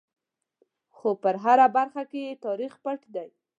خو په هره برخه کې یې تاریخ پټ دی.